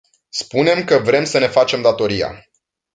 Spunem că vrem să ne facem datoria.